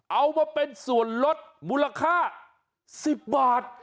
เอามาเป็นส่วนลดมูลค่า๑๐บาท